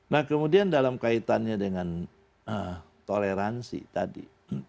nah kemudian dalam kaitannya dengan toleransi tadi